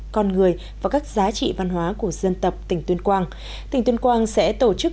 con người và các giá trị văn hóa của dân tộc tỉnh tuyên quang tỉnh tuyên quang sẽ tổ chức